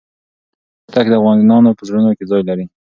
شاه محمود هوتک د افغانانو په زړونو کې ځای لري.